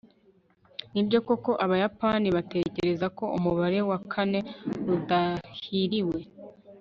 nibyo koko abayapani batekereza ko umubare wa kane udahiriwe